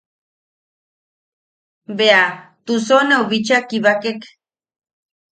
Bea Tusoneu bicha kibakek.